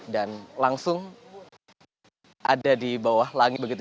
dan langsung ada di bawah langit